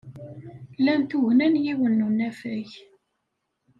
Lan tugna n yiwen n unafag.